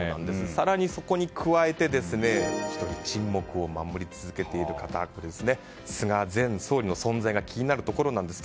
更にそこに加えて１人沈黙を守り続けている方菅前総理の存在が気になるところなんです。